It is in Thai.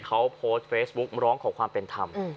เขาโพสต์เฟซบุ๊กร้องขอความเป็นธรรม